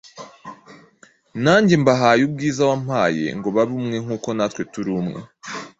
Nanjye mbahaye ubwiza wampaye ngo babe umwe nk’uko natwe turi umwe.